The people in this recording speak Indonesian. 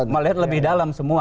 melihat lebih dalam semua